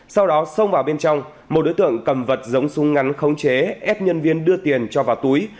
sau đó xông vào bên trong một đối tượng cầm vật giống súng ngắn khống chế ép nhân viên đưa tiền cho vào túi